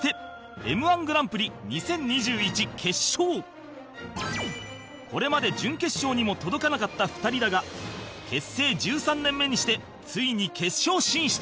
そしてこれまで準決勝にも届かなかった２人だが結成１３年目にしてついに決勝進出